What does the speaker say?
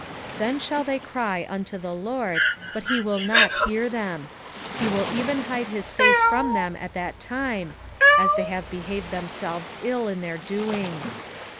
3:4 Then shall they cry unto the LORD, but he will not hear them: he will even hide his face from them at that time, as they have behaved themselves ill in their doings.